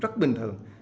rất bình thường